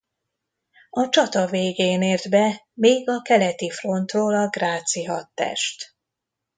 A csata végén ért be még a keleti frontról a gráci hadtest.